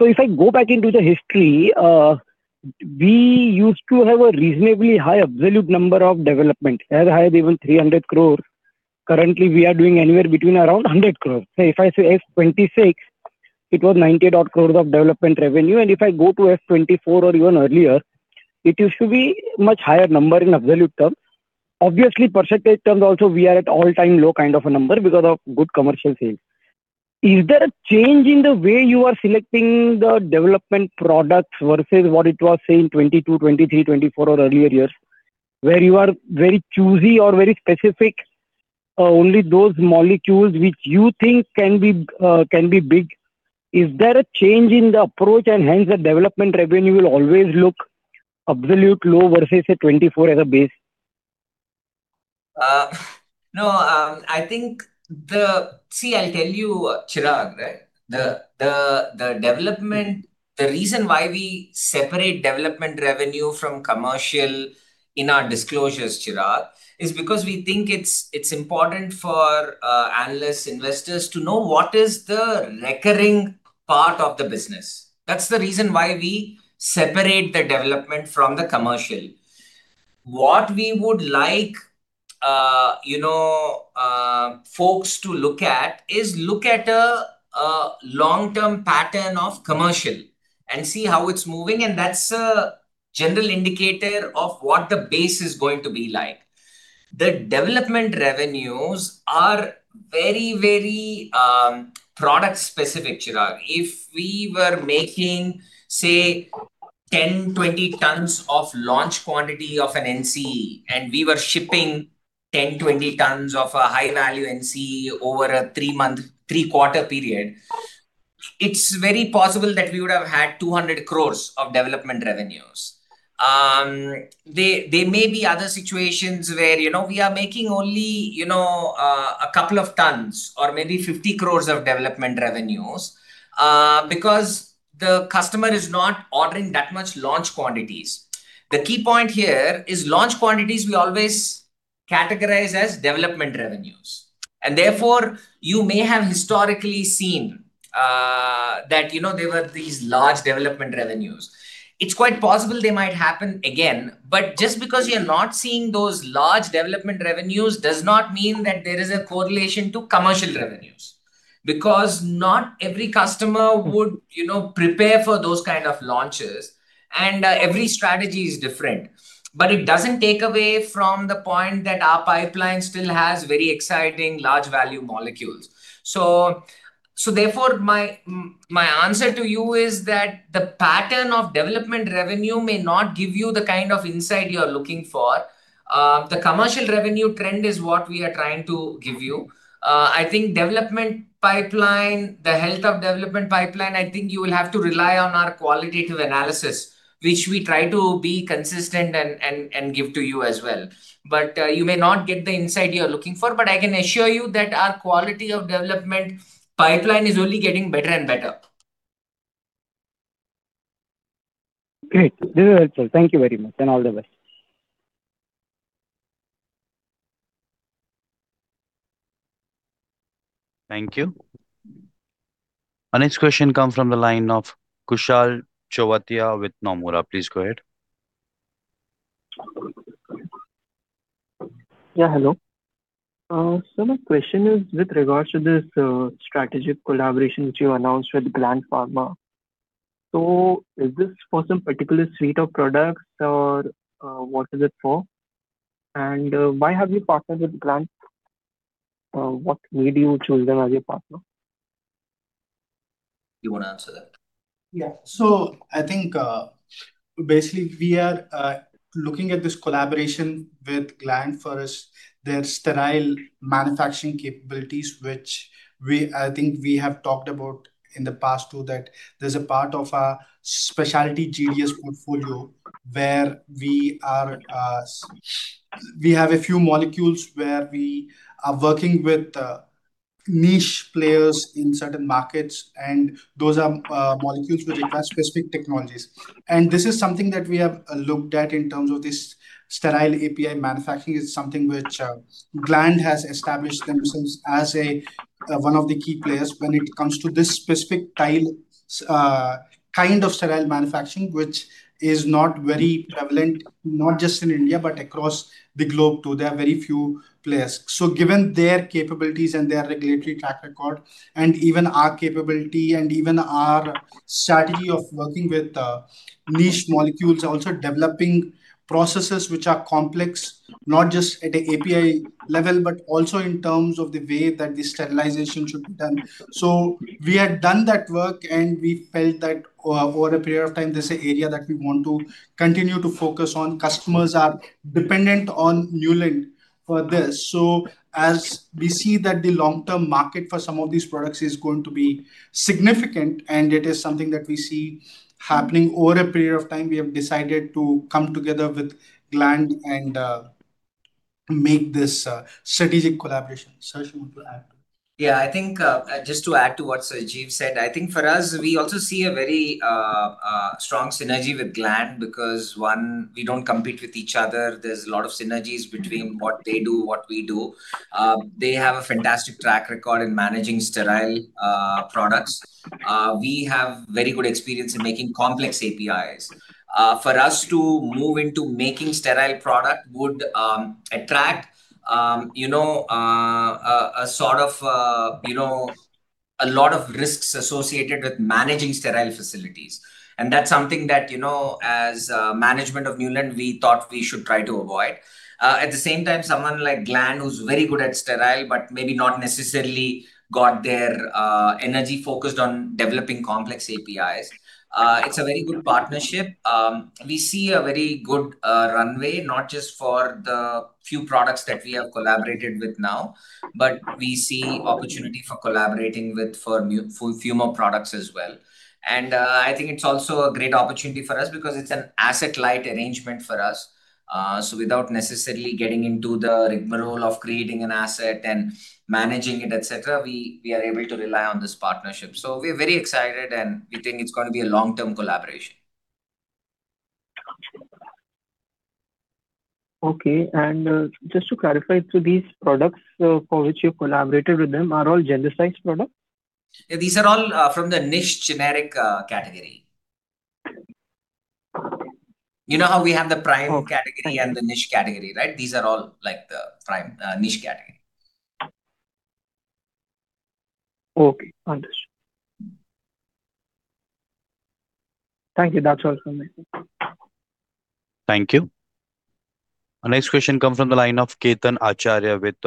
If I go back into the history, we used to have a reasonably high absolute number of development, as high as even 300 crore. Currently, we are doing anywhere between around 100 crore. If I say FY 2026, it was INR 90 odd crore of development revenue, and if I go to FY 2024 or even earlier, it used to be much higher number in absolute terms. Percentage terms also, we are at all-time low kind of a number because of good commercial sales. Is there a change in the way you are selecting the development products versus what it was, say, in 2022, 2023, 2024 or earlier years, where you are very choosy or very specific, only those molecules which you think can be big? Is there a change in the approach, hence the development revenue will always look absolute low versus, say, 2024 as a base?
No. See, I'll tell you, Chirag. The reason why we separate development revenue from commercial in our disclosures, Chirag, is because we think it's important for analysts, investors to know what is the recurring part of the business. That's the reason why we separate the development from the commercial. What we would like folks to look at is look at a long-term pattern of commercial and see how it's moving, and that's a general indicator of what the base is going to be like. The development revenues are very product-specific, Chirag. If we were making, say, 10, 20 tons of launch quantity of an NCE and we were shipping 10, 20 tons of a high-value NCE over a three-quarter period, it's very possible that we would have had 200 crore of development revenues. There may be other situations where we are making only a couple of tons or maybe 50 crore of development revenues because the customer is not ordering that much launch quantities. The key point here is launch quantities we always categorize as development revenues. Therefore, you may have historically seen that there were these large development revenues. It's quite possible they might happen again. Just because you're not seeing those large development revenues does not mean that there is a correlation to commercial revenues. Not every customer would prepare for those kind of launches, and every strategy is different. It doesn't take away from the point that our pipeline still has very exciting large value molecules. Therefore, my answer to you is that the pattern of development revenue may not give you the kind of insight you're looking for. The commercial revenue trend is what we are trying to give you. I think development pipeline, the health of development pipeline, I think you will have to rely on our qualitative analysis, which we try to be consistent and give to you as well. You may not get the insight you're looking for, but I can assure you that our quality of development pipeline is only getting better and better.
Great. This is helpful. Thank you very much, and all the best.
Thank you. Our next question comes from the line of Kushal Chovatia with Nomura. Please go ahead.
Yeah, hello. My question is with regards to this strategic collaboration which you announced with Gland Pharma. Is this for some particular suite of products or what is it for? Why have you partnered with Gland? What made you choose them as your partner?
You want to answer that?
Yeah. I think, basically, we are looking at this collaboration with Gland for their sterile manufacturing capabilities, which I think we have talked about in the past too, that there's a part of our specialty GDS portfolio where we have a few molecules where we are working with niche players in certain markets, and those are molecules which require specific technologies. This is something that we have looked at in terms of this sterile API manufacturing is something which Gland has established themselves as one of the key players when it comes to this specific kind of sterile manufacturing, which is not very prevalent, not just in India but across the globe, too. There are very few players. Given their capabilities and their regulatory track record and even our capability and even our strategy of working with niche molecules, also developing processes which are complex, not just at the API level, but also in terms of the way that the sterilization should be done. We had done that work, and we felt that over a period of time, this is an area that we want to continue to focus on. Customers are dependent on Neuland for this. As we see that the long-term market for some of these products is going to be significant, and it is something that we see happening over a period of time, we have decided to come together with Gland and make this strategic collaboration. Saharsh, want to add to it?
I think just to add to what Sajeev said, I think for us, we also see a very strong synergy with Gland because, one, we don't compete with each other. There's a lot of synergies between what they do, what we do. They have a fantastic track record in managing sterile products. We have very good experience in making complex APIs. For us to move into making sterile product would attract a lot of risks associated with managing sterile facilities. That's something that, as management of Neuland, we thought we should try to avoid. At the same time, someone like Gland, who's very good at sterile, but maybe not necessarily got their energy focused on developing complex APIs. It's a very good partnership. We see a very good runway, not just for the few products that we have collaborated with now, but we see opportunity for collaborating with few more products as well. I think it's also a great opportunity for us because it's an asset-light arrangement for us. Without necessarily getting into the rigmarole of creating an asset and managing it, et cetera, we are able to rely on this partnership. We're very excited, and we think it's going to be a long-term collaboration.
Okay. Just to clarify, these products for which you collaborated with them are all genericized products?
These are all from the niche generic category. You know how we have the prime category and the niche category, right? These are all the niche category.
Okay, understood. Thank you. That's all from me.
Thank you. Our next question comes from the line of Ketan Acharya with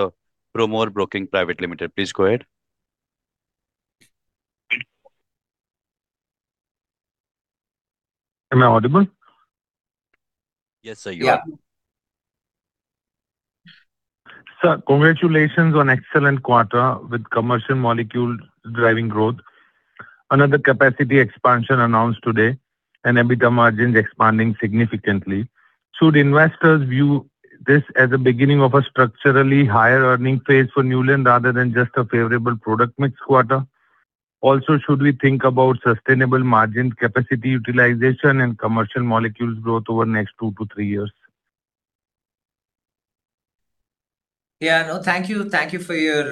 Promore Broking Private Limited. Please go ahead.
Am I audible?
Yes, sir. You are.
Yeah. Sir, congratulations on excellent quarter with commercial molecule driving growth. Another capacity expansion announced today, and EBITDA margins expanding significantly. Should investors view this as a beginning of a structurally higher earning phase for Neuland rather than just a favorable product mix quarter? Also, should we think about sustainable margin capacity utilization and commercial molecules growth over the next two to three years?
Yeah. No, thank you. Thank you for your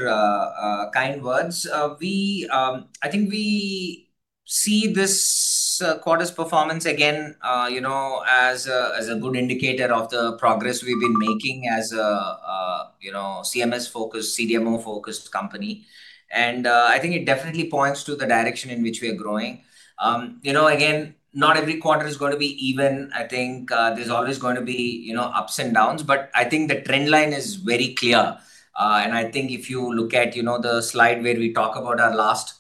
kind words. I think we see this quarter's performance again as a good indicator of the progress we've been making as a CMS-focused, CDMO-focused company. I think it definitely points to the direction in which we are growing. Again, not every quarter is going to be even. I think there's always going to be ups and downs, but I think the trend line is very clear. I think if you look at the slide where we talk about our last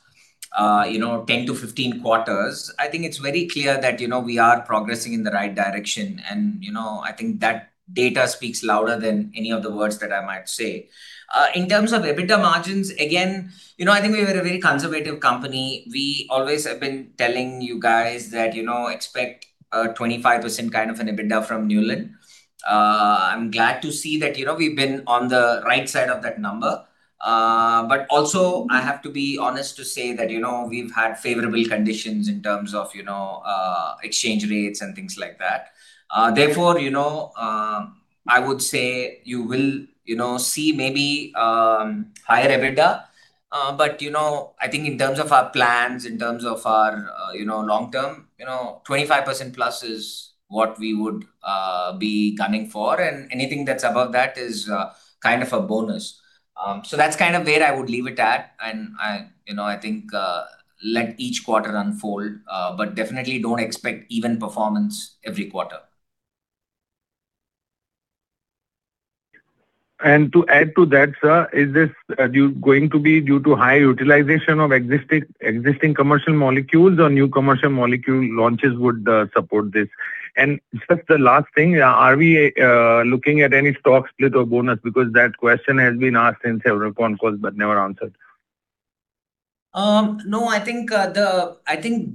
10 to 15 quarters, I think it's very clear that we are progressing in the right direction, and I think that data speaks louder than any of the words that I might say. In terms of EBITDA margins, again, I think we are a very conservative company. We always have been telling you guys that expect a 25% kind of an EBITDA from Neuland. I'm glad to see that we've been on the right side of that number. Also, I have to be honest to say that we've had favorable conditions in terms of exchange rates and things like that. Therefore, I would say you will see maybe higher EBITDA. I think in terms of our plans, in terms of our long-term, 25%+ is what we would be gunning for, and anything that's above that is kind of a bonus. That's where I would leave it at, and I think let each quarter unfold. Definitely don't expect even performance every quarter.
To add to that, sir, is this going to be due to high utilization of existing commercial molecules or new commercial molecule launches would support this? Just the last thing, are we looking at any stock split or bonus? That question has been asked in several conference calls, but never answered.
No, I think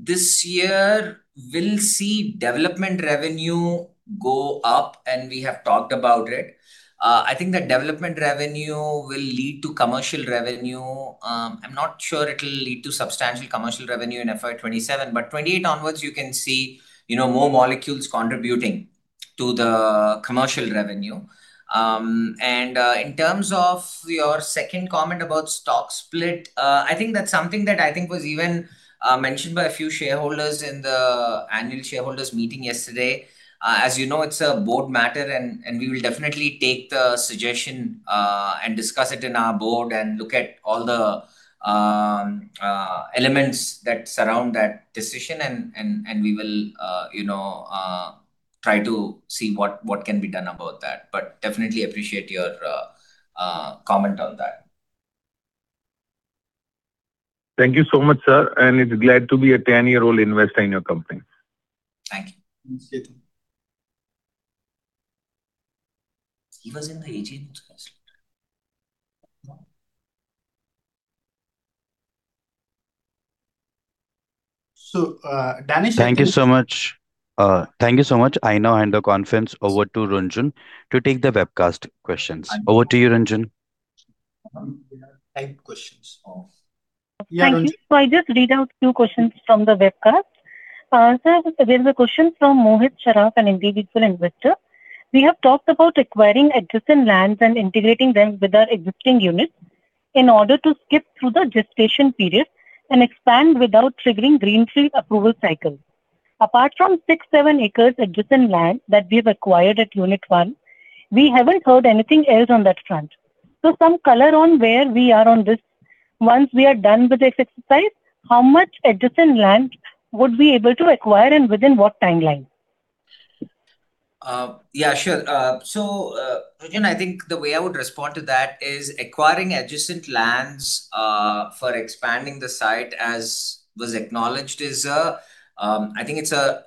this year we will see development revenue go up, and we have talked about it. I think that development revenue will lead to commercial revenue. I am not sure it will lead to substantial commercial revenue in FY 2027, but 2028 onwards you can see more molecules contributing to the commercial revenue. In terms of your second comment about stock split, I think that is something that I think was even mentioned by a few shareholders in the annual shareholders meeting yesterday. As you know, it is a board matter, and we will definitely take the suggestion, and discuss it in our board and look at all the elements that surround that decision, and we will try to see what can be done about that. Definitely appreciate your comment on that.
Thank you so much, sir. It is glad to be a 10-year-old investor in your company.
Thank you.
Thanks.
He was in the 2018 investment.
No. Danish.
Thank you so much. I now hand the conference over to Runjhun to take the webcast questions. Over to you, Runjhun.
We have typed questions off.
Thank you. I just read out few questions from the webcast. Sir, there's a question from Mohit Sharma, an individual investor. We have talked about acquiring adjacent lands and integrating them with our existing units in order to skip through the gestation period and expand without triggering greenfield approval cycle. Apart from six, seven acres adjacent land that we've acquired at Unit One, we haven't heard anything else on that front. Some color on where we are on this. Once we are done with this exercise, how much adjacent land would we able to acquire and within what timeline?
Yeah, sure. Runjhun, I think the way I would respond to that is acquiring adjacent lands for expanding the site, as was acknowledged, I think it's a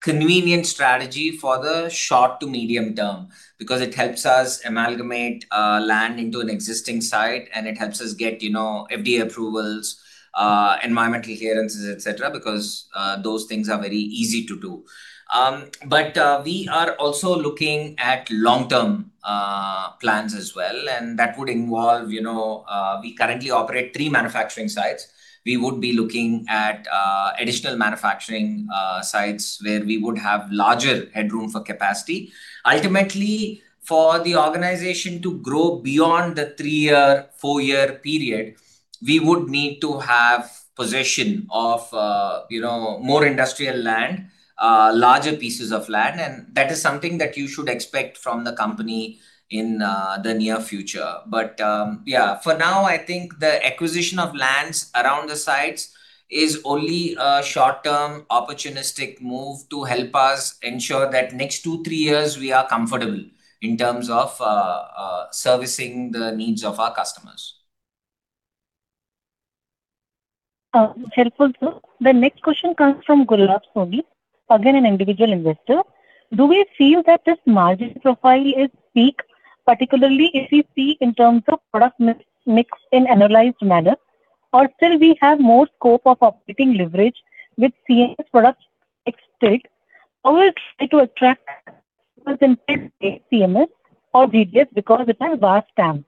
convenient strategy for the short to medium term because it helps us amalgamate land into an existing site, and it helps us get FDA approvals, environmental clearances, et cetera, because those things are very easy to do. We are also looking at long-term plans as well, and that would involve We currently operate three manufacturing sites. We would be looking at additional manufacturing sites where we would have larger headroom for capacity. Ultimately, for the organization to grow beyond the three-year, four-year period, we would need to have possession of more industrial land, larger pieces of land, and that is something that you should expect from the company in the near future. Yeah, for now, I think the acquisition of lands around the sites is only a short-term opportunistic move to help us ensure that next two, three years we are comfortable in terms of servicing the needs of our customers.
Helpful, sir. The next question comes from Gulraj Sodhi, again, an individual investor. Do we feel that this margin profile is peak, particularly if we see in terms of product mix in analyzed manner, or still we have more scope of operating leverage with CMS products fixed it or it's like to attract customers in pre-CMS or GDS because it has vast TAM?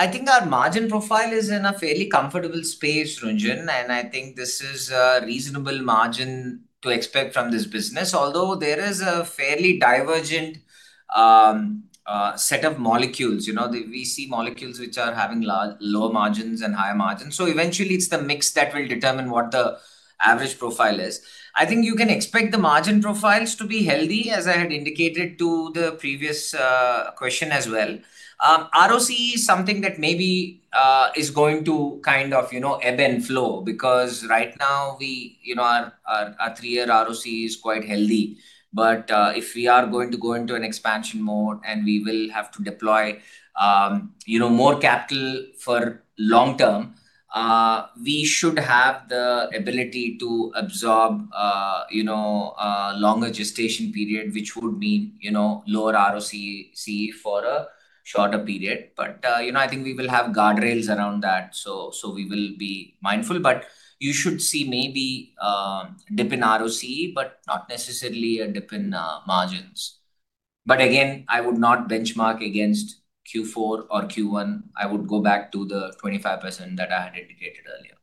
I think our margin profile is in a fairly comfortable space, Runjhun. I think this is a reasonable margin to expect from this business, although there is a fairly divergent set of molecules. We see molecules which are having lower margins and higher margins. Eventually it's the mix that will determine what the average profile is. I think you can expect the margin profiles to be healthy, as I had indicated to the previous question as well. ROCE is something that maybe is going to kind of ebb and flow because right now our three-year ROCE is quite healthy. If we are going to go into an expansion mode and we will have to deploy more capital for long-term, we should have the ability to absorb a longer gestation period, which would mean lower ROCE for a shorter period. I think we will have guardrails around that. We will be mindful. You should see maybe dip in ROCE, but not necessarily a dip in margins. Again, I would not benchmark against Q4 or Q1. I would go back to the 25% that I had indicated earlier.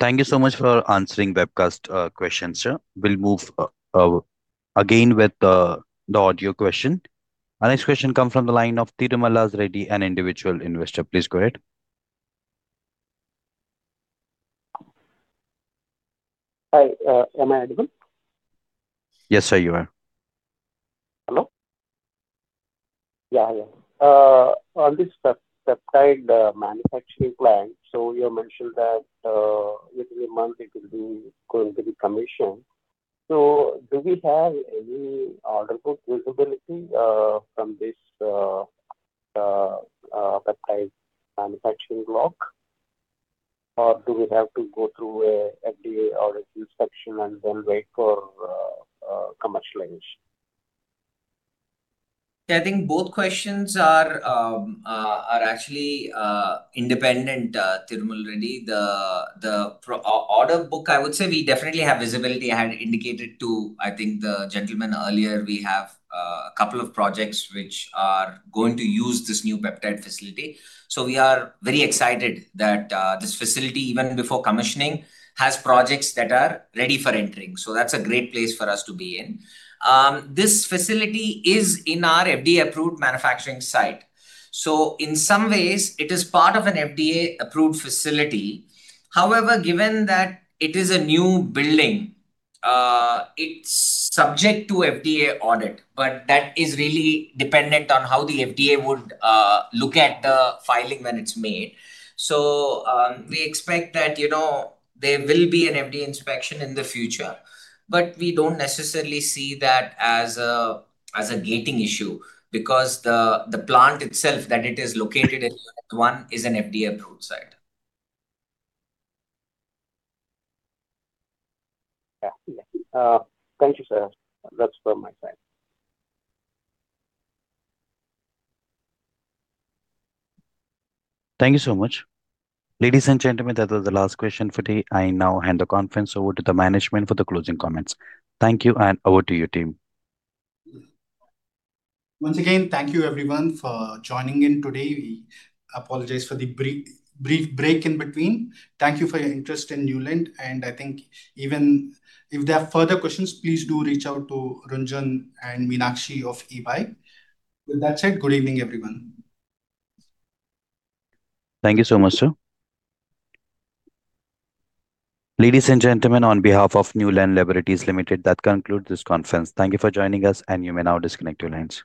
Thank you so much for answering webcast questions, sir. We'll move again with the audio question. Our next question comes from the line of Tirumala Reddy, an individual investor. Please go ahead.
Hi, am I audible?
Yes, sir, you are.
Hello? Yeah. On this peptide manufacturing plant, you have mentioned that within a month it will be going to be commissioned. Do we have any order book visibility from this peptide manufacturing block? Or do we have to go through a FDA audit inspection and then wait for commercial launch?
I think both questions are actually independent, Tirumala Reddy. The order book, I would say we definitely have visibility. I had indicated to, I think, the gentleman earlier, we have a couple of projects which are going to use this new peptide facility. We are very excited that this facility, even before commissioning, has projects that are ready for entering. That's a great place for us to be in. This facility is in our FDA-approved manufacturing site. In some ways it is part of an FDA-approved facility. However, given that it is a new building, it's subject to FDA audit, but that is really dependent on how the FDA would look at the filing when it's made. We expect that there will be an FDA inspection in the future, but we don't necessarily see that as a gating issue because the plant itself that it is located in, unit 1 is an FDA-approved site.
Yeah. Thank you, sir. That's from my side.
Thank you so much. Ladies and gentlemen, that was the last question for today. I now hand the conference over to the management for the closing comments. Thank you, and over to you, team.
Once again, thank you everyone for joining in today. We apologize for the brief break in between. Thank you for your interest in Neuland, and I think even if there are further questions, please do reach out to Runjhun and Meenakshi of EY. With that said, good evening, everyone.
Thank you so much, sir. Ladies and gentlemen, on behalf of Neuland Laboratories Limited, that concludes this conference. Thank you for joining us, and you may now disconnect your lines.